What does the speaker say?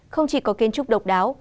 không chỉ có kiến trúc độc đáo